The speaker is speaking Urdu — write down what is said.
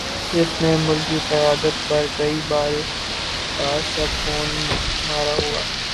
جس نے ملکی قیادت پر کئی بار شب خون مارا ہو